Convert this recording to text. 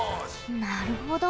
なるほど。